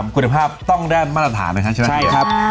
๓คุณภาพต้องได้มาตรฐานนะครับ